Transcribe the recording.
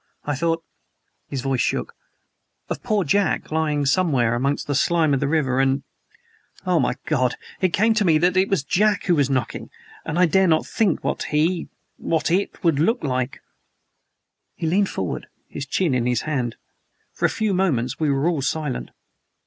I thought" his voice shook "of poor Jack, lying somewhere amongst the slime of the river and, oh, my God! it came to me that it was Jack who was knocking and I dare not think what he what it would look like!" He leaned forward, his chin in his hand. For a few moments we were all silent.